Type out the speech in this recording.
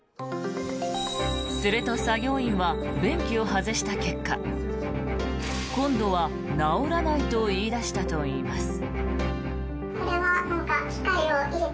すると、作業員は便器を外した結果今度は直らないと言い出したといいます。